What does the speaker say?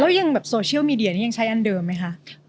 แล้วยังแบบโซเชียลมีเดียนี่ยังใช้อันเดิมไหมคะ